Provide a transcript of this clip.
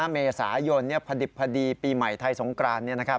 เมษายนพอดิบพอดีปีใหม่ไทยสงกราน